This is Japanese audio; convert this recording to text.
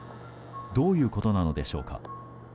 どういうことなのでしょうか。